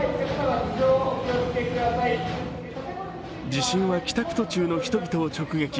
地震は帰宅途中の人々を直撃。